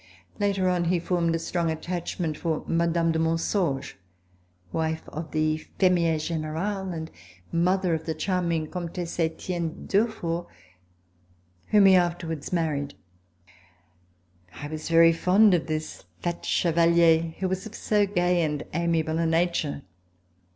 Later on he formed a strong attachment for Mme. de Monsauge, wife of the fermier general and mother of the charming Comtesse Etienne de Durfort, whom he afterwards RECOLLECTIONS OF THE REVOLUTION married. I was very fond of this fat chevalier who was of so gay and amiable a nature.